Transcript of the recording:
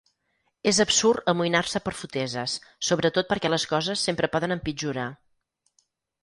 És absurd amoïnar-se per foteses, sobretot perquè les coses sempre poden empitjorar.